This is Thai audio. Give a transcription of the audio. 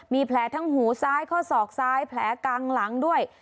มีแผลทั้งหูซ้ายข้อศอกซ้ายแผลกลางหลังด้วย